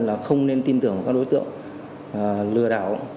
là không nên tin tưởng các đối tượng lừa đảo